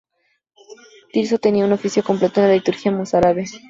Tirso tenía un oficio completo en la liturgia mozárabe.